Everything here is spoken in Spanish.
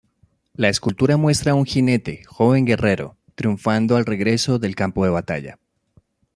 La escultura muestra un jinete -joven guerrero-, triunfando al regreso del campo de batalla.